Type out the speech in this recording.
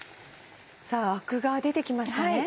さぁアクが出て来ましたね。